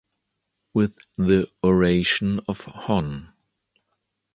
With the Oration of Hon.